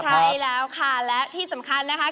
ใช่แล้วค่ะและที่สำคัญนะคะ